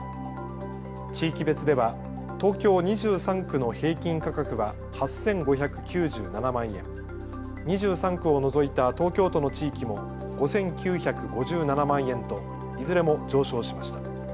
地域別では東京２３区の平均価格は８５９７万円、２３区を除いた東京都の地域も５９５７万円といずれも上昇しました。